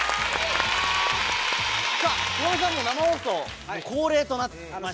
さあ、ヒロミさん、生放送恒例となりました。